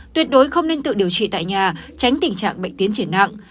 tuyệt đối không nên tự điều trị tại nhà tránh tình trạng bệnh tiến triển nặng